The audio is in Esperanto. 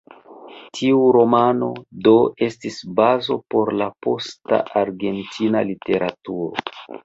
Tiu romano, do, estis bazo por la posta argentina literaturo.